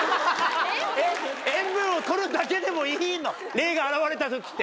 霊が現れた時って。